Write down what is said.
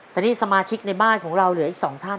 แต่นี่สมาชิกในบ้านของเราเหลืออีก๒ท่าน